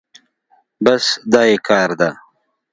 بس دا يې کار ده.